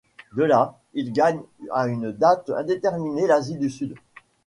De là, il gagne à une date indéterminée l'Asie du Sud.